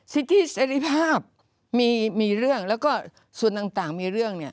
สิทธิเสรีภาพมีเรื่องแล้วก็ส่วนต่างมีเรื่องเนี่ย